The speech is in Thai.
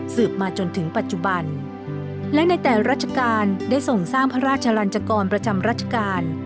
มาจนถึงปัจจุบันและในแต่ราชการได้ส่งสร้างพระราชลันจกรประจำรัชกาล